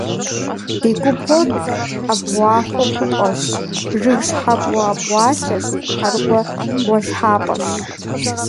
Ди губгъуэр ӏэбгъахъуэ хъупӏэщ, жыг щхьэбгъуэ абгъуалъэщ, тхьэрыкъуэ гъуэлъхьапӏэщ.